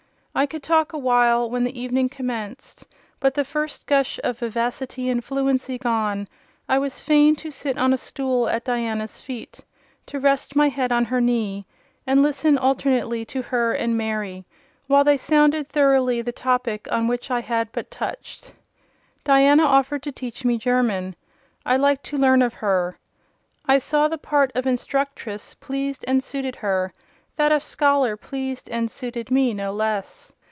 I could talk a while when the evening commenced, but the first gush of vivacity and fluency gone, I was fain to sit on a stool at Diana's feet, to rest my head on her knee, and listen alternately to her and Mary, while they sounded thoroughly the topic on which I had but touched. Diana offered to teach me German. I liked to learn of her: I saw the part of instructress pleased and suited her; that of scholar pleased and suited me no less.